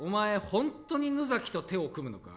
本当に野崎と手を組むのか？